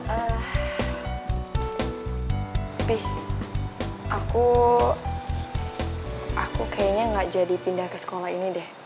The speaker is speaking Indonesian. tapi aku aku kayaknya gak jadi pindah ke sekolah ini deh